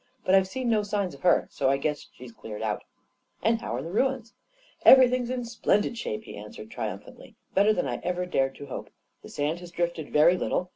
But I've seen no signs of her, so I guess she cleared out." 44 And how are the ruins? " 44 Everything's in splendid shape," he answered, triumphantly; " better than I ever dared to hope. The sand has drifted very little.